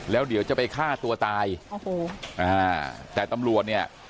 แล้วเดี๋ยวจะไปฆ่าตัวตายแต่ตำรวจเนี่ย